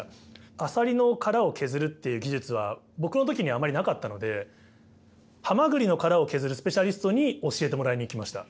アサリの殻を削るっていう技術は僕の時にあまりなかったのでハマグリの殻を削るスペシャリストに教えてもらいに行きました。